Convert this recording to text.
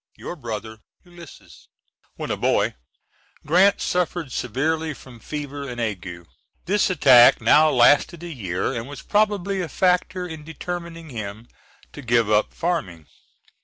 Your Brother ULYSSES. [When a boy Grant suffered severely from fever and ague. This attack now lasted a year and was probably a factor in determining him to give up farming.